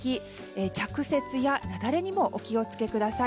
着雪や雪崩にもお気を付けください。